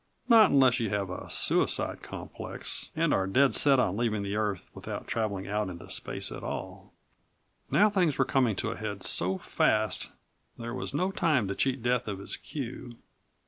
Not unless you have a suicide complex and are dead set on leaving the earth without traveling out into space at all. Now things were coming to a head so fast there was no time to cheat Death of his cue.